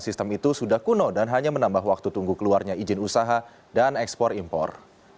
sistem itu sudah kuno dan hanya menambah waktu tunggu keluarnya izin usaha dan ekspor impor